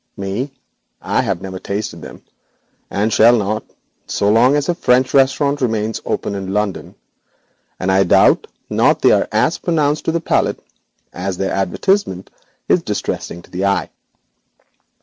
Me! I have never tasted them, and shall not so long as a French restaurant remains open in London. But I doubt not they are as pronounced to the palate as their advertisement is distressing to the eye.